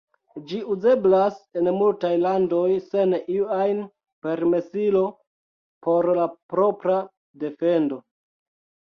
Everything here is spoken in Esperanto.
Ĝi uzeblas en multaj landoj sen iu ajn permesilo por la propra defendo.